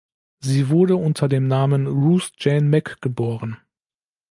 Sie wurde unter dem Namen Ruth Jane Mack geboren.